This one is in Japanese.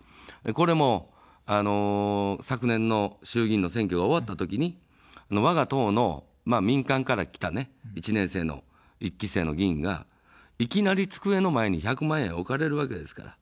これも、昨年の衆議院の選挙が終わったときに、わが党の民間から来た１年生の１期生の議員がいきなり机の前に１００万円置かれるわけですから。